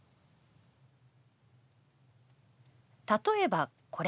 「例えばこれ。